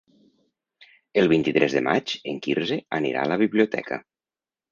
El vint-i-tres de maig en Quirze anirà a la biblioteca.